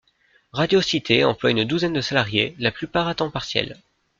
Radio Cité emploie une douzaine de salariés, la plupart à temps partiel.